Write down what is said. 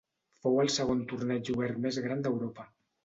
Fou el segon torneig obert més gran d'Europa.